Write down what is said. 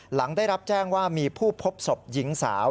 หลังได้รับแจ้งว่ามีผู้พบศพหญิงสาว